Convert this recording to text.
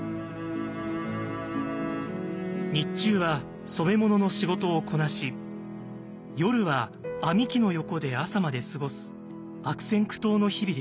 日中は染め物の仕事をこなし夜は編み機の横で朝まで過ごす悪戦苦闘の日々でした。